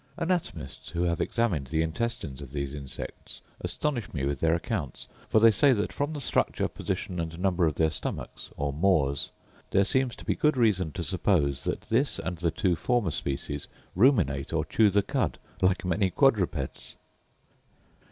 Anatomists, who have examined the intestines of these insects, astonish me with their accounts; for they say that, from the structure, position, and number of their stomachs, or maws, there seems to be good reason to suppose that this and the two former species ruminate or chew the cud like many quadrupeds!